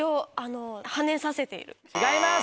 違います。